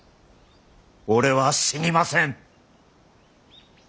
俺は死にません。